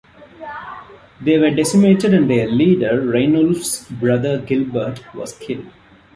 They were decimated and their leader, Rainulf's brother Gilbert, was killed.